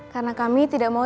karena kami tidak mau